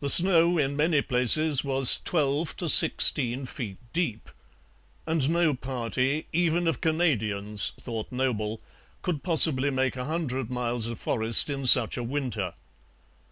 The snow in many places was 'twelve to sixteen feet deep,' and no party, even of Canadians, thought Noble, could possibly make a hundred miles of forest in such a winter.